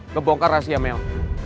ngebongkar rahasia mel